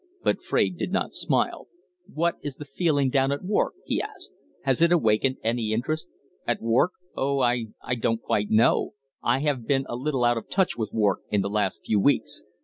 But Fraide did not smile. "What is the feeling down at Wark?" he asked. "Has it awakened any interest?" "At Wark? Oh, I I don't quite know. I have been a little out of touch with Wark in the last few weeks.